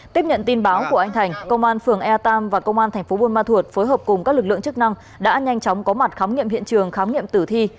tiếp nhận tin báo của anh thành công an phường e tam và công an thành phố buôn ma thuột phối hợp cùng các lực lượng chức năng đã nhanh chóng có mặt khám nghiệm hiện trường khám nghiệm tử thi